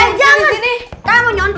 enggak kita cuma mau liat